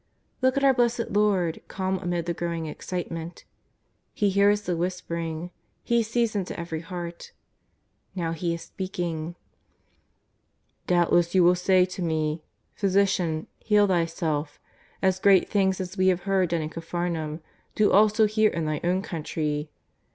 Look at our Blessed Lord, calm amid the growing ex citement. He hears the whispering. He sees into every heart. ]^ow He is speaking :" Doubtless you will say to Me : Physician, heal Thy self, as great things as we have heard done in Caphar naum, do also here in Thy own country.